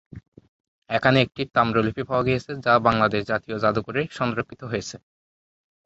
এখানে একটি তাম্রলিপি পাওয়া গিয়েছে যা বাংলাদেশ জাতীয় জাদুঘরে সংরক্ষিত রয়েছে।